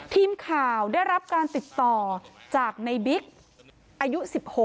ทีมข่าวได้รับการติดต่อจากในบิ๊กอายุ๑๖